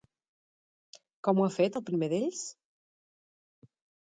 Com ho ha fet el primer d'ells?